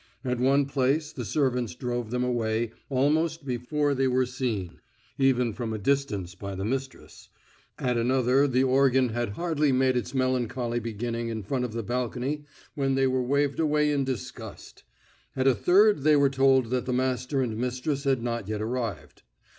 At one place the servants drove them away almost before they were seen even from a distance by the mistress; at another the organ had hardly made its melancholy beginning in front of the balcony when they were waved away in disgust; at a third they were told that the master and mistress had not yet arrived.